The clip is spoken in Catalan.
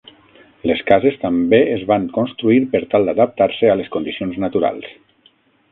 Les cases també es van construir per tal d'adaptar-se a les condicions naturals.